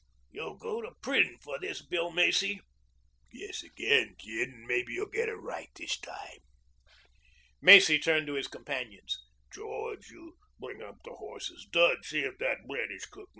"You'll go to prison for this, Bill Macy." "Guess again, Gid, and mebbe you'll get it right this time." Macy turned to his companions. "George, you bring up the horses. Dud, see if that bread is cooked.